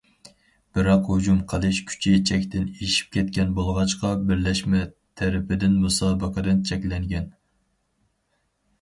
بىراق ھۇجۇم قىلىش كۈچى چەكتىن ئېشىپ كەتكەن بولغاچقا بىرلەشمە تەرىپىدىن مۇسابىقىدىن چەكلەنگەن.